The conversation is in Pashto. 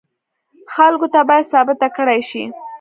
خلکو ته باید ثابته کړای شي.